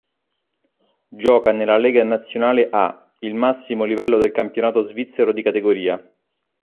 Gioca nella Lega Nazionale A, il massimo livello del campionato svizzero di categoria.